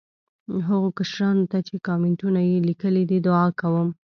هغو کشرانو ته چې کامینټونه یې لیکلي دي، دعا کوم.